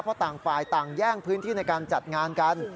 เพราะต่างฝ่ายต่างแย่งพื้นที่ในการจัดงานกัน